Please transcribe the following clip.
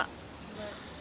makan diapa ini